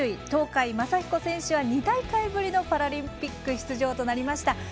東海将彦選手は２大会ぶりのパラリンピック出場となりました。